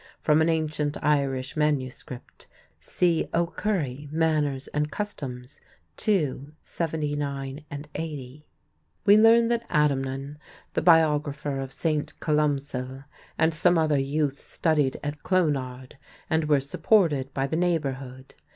From an ancient Irish manuscript (See O'Curry, Manners and Customs, II, 79, 80) we learn that Adamnan, the biographer of St. Columcille, and some other youths studied at Clonard and were supported by the neighborhood.